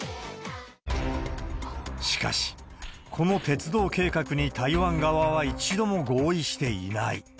しかし、この鉄道計画に台湾側は一度も合意していない。